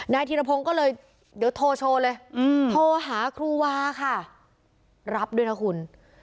ธีรพงศ์ก็เลยเดี๋ยวโทรโชว์เลยโทรหาครูวาค่ะรับด้วยนะคุณ